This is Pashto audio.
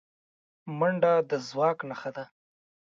منډه د ځواک نښه ده